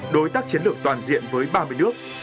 đối tác chiến lược toàn diện với ba mươi nước